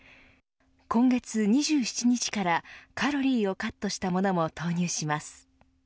今月２７日からカロリーをカットしたものも投入します。